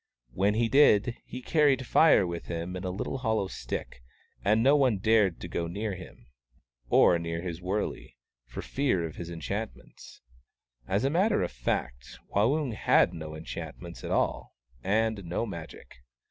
When he did, he carried Fire with him in a little hollow stick, and no one dared go near him, or near his wurley, for fear of his enchantments. As a matter of fact, Waung had no enchantments at all, and no Magic.